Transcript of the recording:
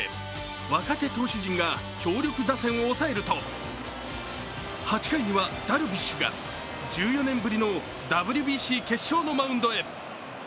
若手投手陣が強力打線を抑えると８回にはダルビッシュが１４年ぶりのＷＢＣ決勝のマウンドへ。